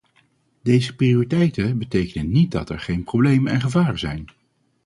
Deze prioriteiten betekenen niet dat er geen problemen en gevaren zijn.